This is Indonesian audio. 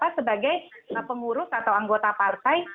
sebagai pengurus atau anggota partai